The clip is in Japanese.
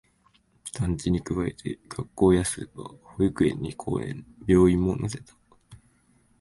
団地に加えて、学校やスーパー、保育園に公園、病院も乗せた